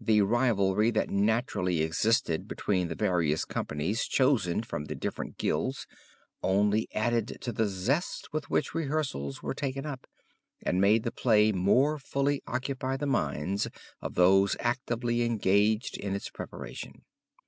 The rivalry that naturally existed between the various companies chosen from the different guilds only added to the zest with which rehearsals were taken up, and made the play more fully occupy the minds of those actively engaged in its preparation.